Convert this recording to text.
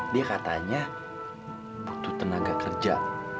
dia katanya butuh tenaga kerja